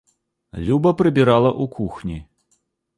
Люба прыбірала ў кухні.